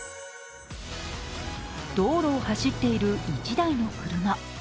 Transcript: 道路を走っている１台の車。